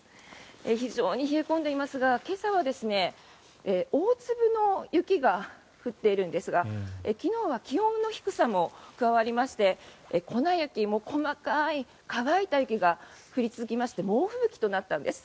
非常に冷え込んでいますが今朝は大粒の雪が降っているんですが昨日は気温の低さも加わりまして粉雪、細かい乾いた雪が降り続きまして猛吹雪となったんです。